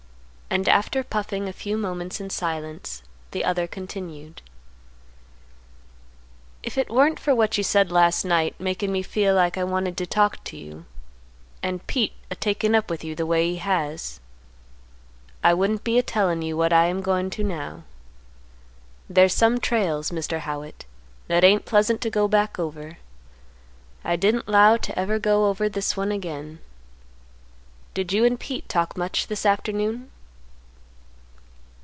And, after puffing a few moments in silence, the other continued, "If it weren't for what you said last night makin' me feel like I wanted to talk to you, and Pete a takin' up with you the way he has, I wouldn't be a tellin' you what I am goin' to now. There's some trails, Mr. Howitt, that ain't pleasant to go back over. I didn't 'low to ever go over this one again. Did you and Pete talk much this afternoon?"